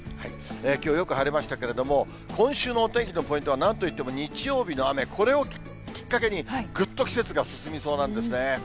きょう、よく晴れましたけれども、今週のお天気のポイントはなんといっても日曜日の雨、これをきっかけに、ぐっと季節が進みそうなんですね。